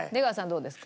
どうですか？